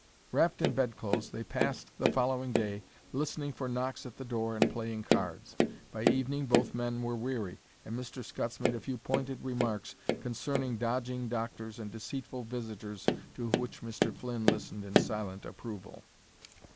Wrapped in bedclothes, they passed the following day listening for knocks at the door and playing cards. By evening both men were weary, and Mr. Scutts made a few pointed remarks concerning dodging doctors and deceitful visitors to which Mr. Flynn listened in silent approval.